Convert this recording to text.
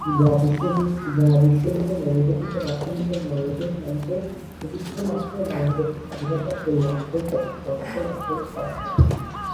যা বিশ্বজুড়ে নবগঠিত রাষ্ট্র হিসেবে বাংলাদেশ নামকে প্রতিষ্ঠার মাধ্যমে বাংলাদেশের স্বাধীনতার জন্য আন্তর্জাতিক সমর্থন অর্জনে সহায়তা করেছিল।